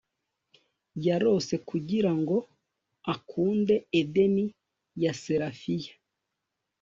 yarose, kugirango akunde, edeni ya serafiya